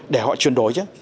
để họ chuyển đổi chứ